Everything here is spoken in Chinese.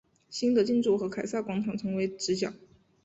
新的建筑和凯撒广场成为直角。